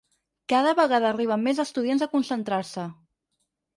Cada vegada arriben més estudiants a concentrar-se.